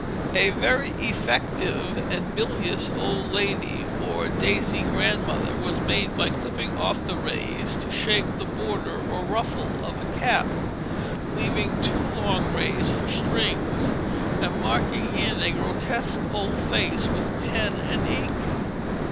A very effective and bilious old lady, or "daisy grandmother," was made by clipping off the rays to shape the border or ruffle of a cap, leaving two long rays for strings, and marking in a grotesque old face with pen and ink.